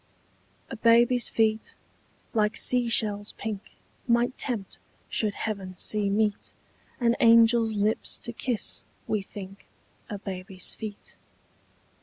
A BABY'S feet, like sea shells pink, Might tempt, should heaven see meet, An angel's lips to kiss, we think, A baby's feet.